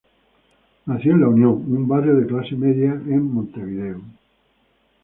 Nació en La Unión, un barrio de clase media en Montevideo.